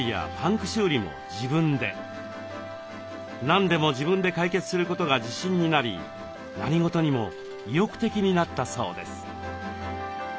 何でも自分で解決することが自信になり何事にも意欲的になったそうです。